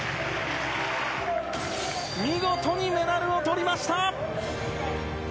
見事にメダルを取りました。